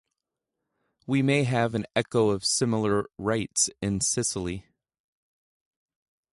We may have an echo of similar rites in Sicily.